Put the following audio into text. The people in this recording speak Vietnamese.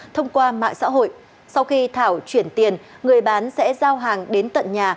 thông qua mạng xã hội sau khi thảo chuyển tiền người bán sẽ giao hàng đến tận nhà